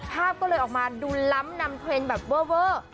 ภาพก็เลยออกมาดูล้ำนำเทรนด์แบบเวอร์